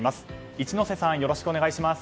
一之瀬さんよろしくお願いします。